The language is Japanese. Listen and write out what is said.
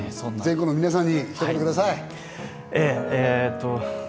全国の皆さんに伝えてください。